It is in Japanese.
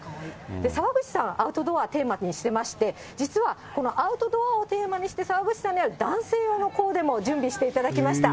澤口さん、アウトドアをテーマにしてまして、実はアウトドアをテーマにして、澤口さんには男性用のコーデも準備していただきました。